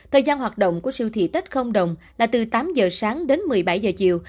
thời gian hoạt động của siêu thị tết không đồng là từ tám giờ sáng đến một mươi bảy giờ chiều